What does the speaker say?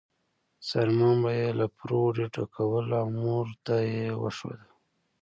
څرمن به یې له پروړې ډکوله او مور ته یې وښوده.